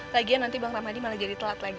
lagian nanti bang ramadi malah jadi telat lagi